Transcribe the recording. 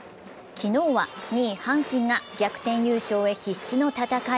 昨日は２位・阪神が逆転優勝へ必死の戦い。